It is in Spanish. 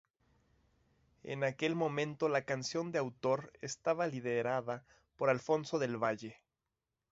En aquel momento la Canción de Autor estaba liderada por Alfonso del Valle.